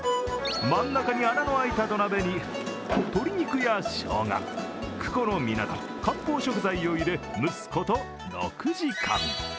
真ん中に穴の開いた土鍋に鶏肉やショウガ、クコの実など漢方食材を入れ蒸すこと６時間。